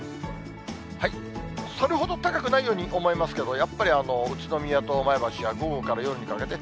それほど高くないように思えますけど、やっぱり宇都宮と前橋は午後から夜にかけて、３０％。